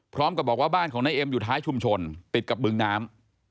พร้อมกับบอกว่าบ้านของนายเอ็มอยู่ท้ายชุมชนติดกับบึงน้ำ